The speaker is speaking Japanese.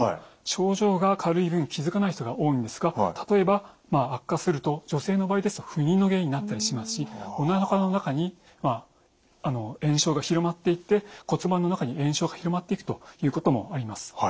症状が軽い分気付かない人が多いんですが例えば悪化すると女性の場合ですと不妊の原因になったりしますしおなかの中に炎症が広まっていって骨盤の中に炎症が広まっていくということもあります。